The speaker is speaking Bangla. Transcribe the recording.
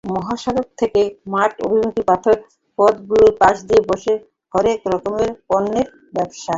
মহাসড়ক থেকে মাঠ অভিমুখী পথগুলোর পাশ দিয়ে বসেছে হরেক রকমের পণ্যের পসরা।